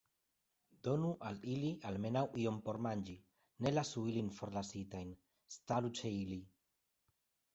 Donu al ili almenaŭ iom por manĝi; ne lasu ilin forlasitajn; staru ĉe ili!